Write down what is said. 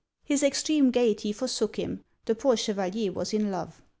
His extreme gaiety forsook him the poor Chevalier was in love.